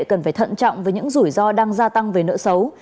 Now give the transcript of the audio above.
cần phải thận trọng với những rủi ro đang gia tăng về nợ xấu